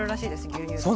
牛乳って。